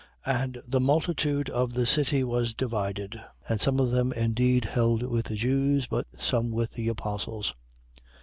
14:4. And the multitude of the city was divided. And some of them indeed held with the Jews, but some with the apostles.